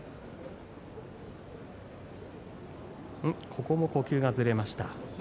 ここも呼吸がずれました。